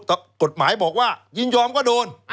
กฎหมายบอกว่ายินยอมก็โดน